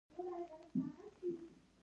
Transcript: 🫘 لبیا